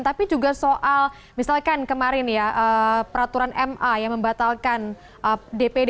tapi juga soal misalkan kemarin ya peraturan ma yang membatalkan dpd